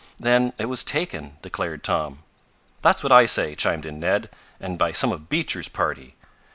"Then it was taken," declared Tom. "That's what I say!" chimed in Ned. "And by some of Beecher's party!"